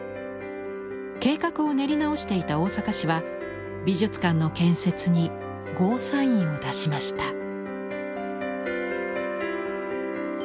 計画を練り直していた大阪市は美術館の建設にゴーサインを出しました。